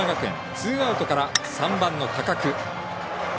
ツーアウトから３番の高久。